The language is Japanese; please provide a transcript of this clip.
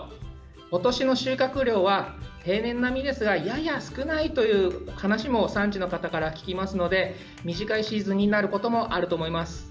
今年の収穫量は平年並みですがやや少ないという話も産地の方から聞きますので短いシーズンになることもあると思います。